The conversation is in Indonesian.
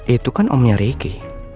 itu kan omnya riki